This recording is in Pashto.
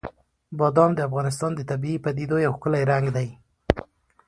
بادام د افغانستان د طبیعي پدیدو یو ښکلی رنګ دی.